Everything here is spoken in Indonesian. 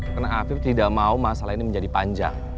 karena afif tidak mau masalah ini menjadi panjang